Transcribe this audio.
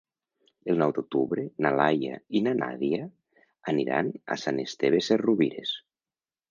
El nou d'octubre na Laia i na Nàdia aniran a Sant Esteve Sesrovires.